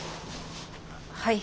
はい。